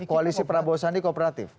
koalisi prabowo sandi kooperatif